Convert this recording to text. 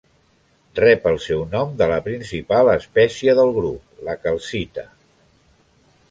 Rep el seu nom de la principal espècie del grup: la calcita.